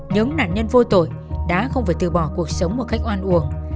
những nạn nhân vô tội đã không phải từ bỏ cuộc sống một cách oan uổng